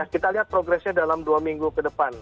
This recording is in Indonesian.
kita lihat progresnya dalam dua minggu ke depan